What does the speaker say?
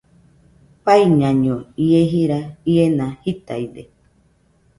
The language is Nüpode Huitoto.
Faiñaño, ie jira iena jitaide